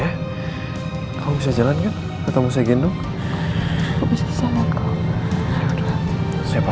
apa yang dirasa ini apa